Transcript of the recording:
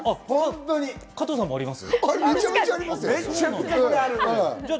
加藤さんもあります？